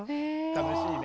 楽しいね。